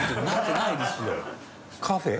カフェ？